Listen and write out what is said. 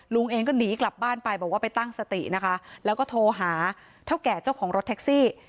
ลุงเองก็หนีกลับบ้านไปบอกว่าไปตั้งสตินะคะแล้วก็โทรหาเท่าแก่เจ้าของรถแท็กซี่